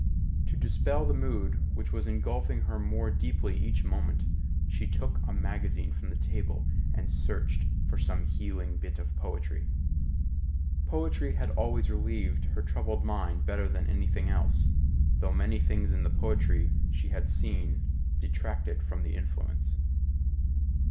To dispel the mood which was engulfing her more deeply each moment, she took a magazine from the table and searched for some healing bit of poetry. Poetry had always relieved her troubled mind better than anything else, though many things in the poetry she had seen detracted from the influence.